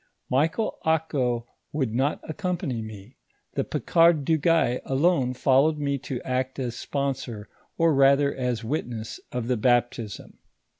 Michael Ako would not accompany me, the Picard du Gay alone followed me to act as sponsor, or rather us witness of the baptism.